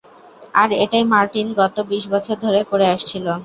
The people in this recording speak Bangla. আর এটাই মার্টিন গত বিশ বছর ধরে করে আসছিলো।